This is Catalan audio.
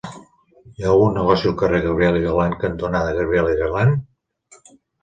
Hi ha algun negoci al carrer Gabriel y Galán cantonada Gabriel y Galán?